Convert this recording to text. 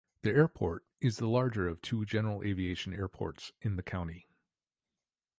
The airport is the larger of two general aviation airports in the county.